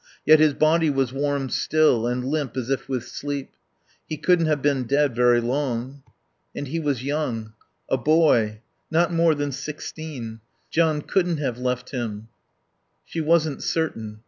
Yet his body was warm still, and limp as if with sleep. He couldn't have been dead very long. And he was young. A boy. Not more than sixteen. John couldn't have left him. She wasn't certain.